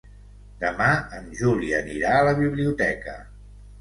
Demà en Juli anirà a la biblioteca.